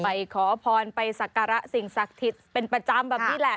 ไปขอพรไปศักรสิ่งศักดิ์เป็นประจำแบบนี้แหละ